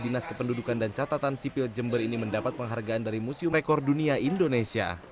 dinas kependudukan dan catatan sipil jember ini mendapat penghargaan dari museum rekor dunia indonesia